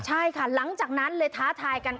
ใช่ค่ะหลังจากนั้นเลยท้าทายกัน